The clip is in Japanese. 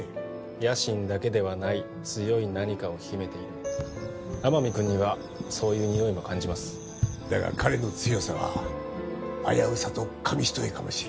野心だけではない強い何かを秘めている天海君にはそういうにおいも感じますだが彼の強さは危うさと紙一重かもしれないよ